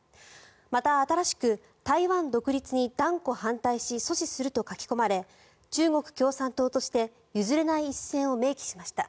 また、新しく台湾独立に断固反対し阻止すると書き込まれ中国共産党として譲れない一線を明記しました。